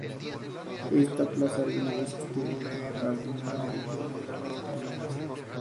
Esta plaza alguna vez estuvo ajardinada y tenía grandes palmeras.